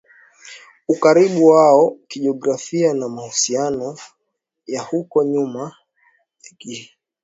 ukaribu wao kijografia na mahusiano ya huko nyuma ya kibiashara na nchi hiyo Ukuaji wa Biashara